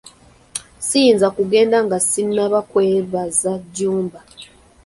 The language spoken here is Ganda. Siyinza kugenda nga sinaba kwebaza Jjuba.